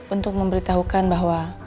untuk memberitahukan bahwa